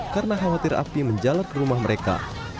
karena khawatir api menjalar ke rumah mereka